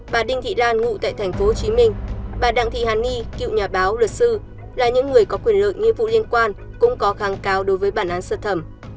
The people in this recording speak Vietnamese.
bà đinh thị lan ngụ tại tp hcm bà đặng thị hàn ni cựu nhà báo luật sư là những người có quyền lợi nghĩa vụ liên quan cũng có kháng cáo đối với bản án sơ thẩm